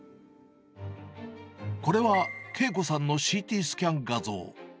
これは慶子さんのＣＴスキャン画像。